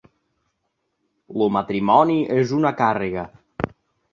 El matrimoni és una càrrega.